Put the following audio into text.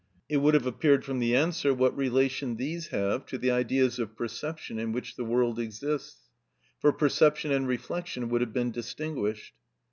It would have appeared from the answer what relation these have to the ideas of perception in which the world exists; for perception and reflection would have been distinguished.